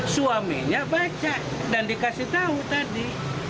suaminya baca dan dikasih tahu tadi